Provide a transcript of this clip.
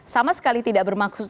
sama sekali tidak bermaksud